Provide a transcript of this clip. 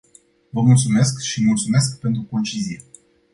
Vă mulțumesc, și mulțumesc pentru concizie.